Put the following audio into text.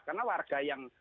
karena warga yang